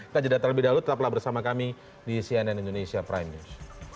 kajian data lebih dahulu tetaplah bersama kami di cnn indonesia prime news